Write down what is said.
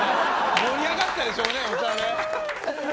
盛り上がったでしょうねお茶で。